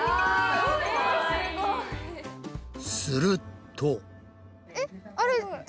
すると。